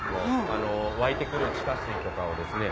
湧いてくる地下水とかをですね